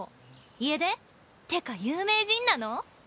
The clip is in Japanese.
家出？ってか有名人なの？